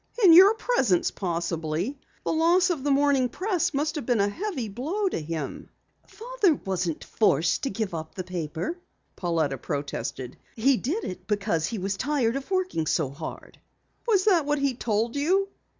"In your presence, possibly. The loss of the Morning Press must have been a heavy blow to him." "Father wasn't forced to give up the paper," Pauletta protested. "He did it because he was tired of working so hard." "Was that what he told you?"